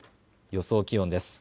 予想気温です。